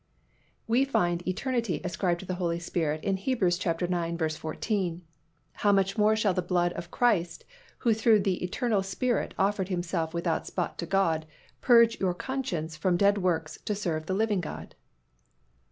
We find eternity ascribed to the Holy Spirit in Heb. ix. 14, "How much more shall the blood of Christ, who through the eternal Spirit offered Himself without spot to God, purge your conscience from dead works to serve the living God?"